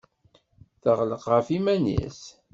Teɣleq ɣef yiman-nnes.